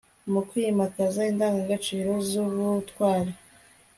mu kwimakaza indangagaciro z'ubutwari